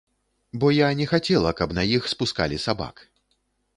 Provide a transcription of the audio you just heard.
Бо я не хацела, каб на іх спускалі сабак.